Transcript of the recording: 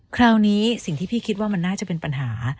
คราวนี้สิ่งที่พี่คิดว่ามันน่าจะเป็นปัญหา